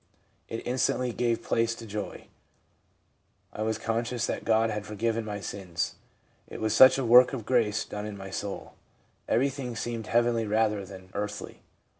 It instantly gave place to joy. I was conscious that God had forgiven my sins. It was such a work of grace done in my soul. Every thing seemed heavenly rather than earthly.